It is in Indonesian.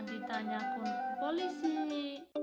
ditanya aku polisi